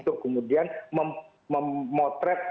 untuk kemudian memotret